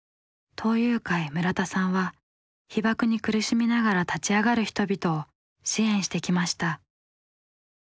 東友会村田さんは被爆に苦しみながら立ち上がる人々を支援してきました。